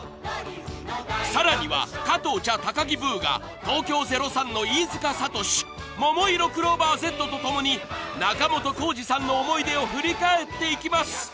［さらには加藤茶高木ブーが東京０３の飯塚悟志ももいろクローバーＺと共に仲本工事さんの思い出を振り返っていきます！］